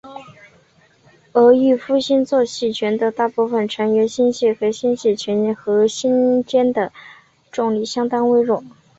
而玉夫座星系群的大部分成员星系和星系群核心间的重力相当微弱。